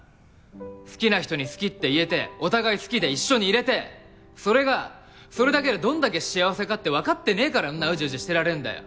好きな人に好きって言えてお互い好きで一緒にいれてそれがそれだけでどんだけ幸せかってわかってねぇからそんなうじうじしてられんだよ